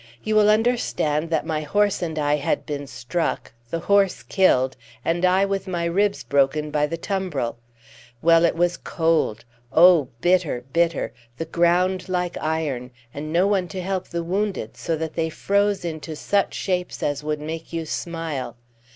You will understand that my horse and I had been struck, the horse killed, and I with my ribs broken by the tumbril. Well, it was cold oh, bitter, bitter! the ground like iron, and no one to help the wounded, so that they froze into such shapes as would make you smile.